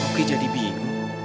oke jadi bingung